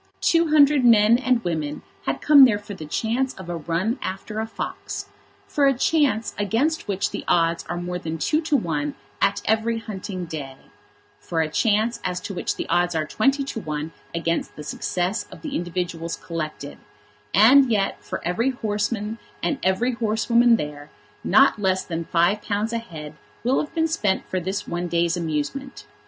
Two hundred men and women had come there for the chance of a run after a fox, for a chance against which the odds are more than two to one at every hunting day, for a chance as to which the odds are twenty to one against the success of the individuals collected; and yet, for every horseman and every horsewoman there, not less than £5 a head will have been spent for this one day's amusement.